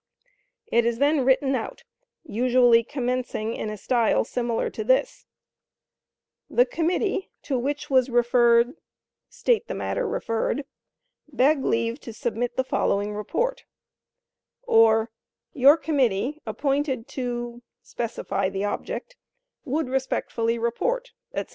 It is then written out, usually commencing in a style similar to this: "The committee to which was referred [state the matter referred], beg leave to submit the following report;" or, "Your committee appointed to [specify the object], would respectfully report," etc.